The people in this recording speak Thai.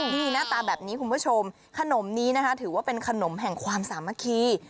นี่หน้าตาแบบนี้คุณผู้ชมขนมนี้นะคะถือว่าเป็นขนมแห่งความสามัคคี